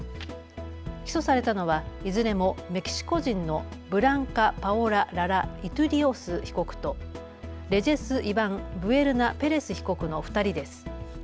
起訴されたのはいずれもメキシコ人のブランカ・パオラ・ララ・イトゥリオス被告とレジェス・イバン・ブエルナ・ペレス被告の２人です。